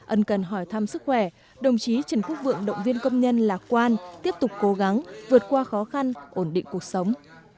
ân cần hỏi thăm sức khỏe đồng chí trần quốc vượng động viên công nhân lạc quan tiếp tục cố gắng vượt qua khó khăn ổn định cuộc sống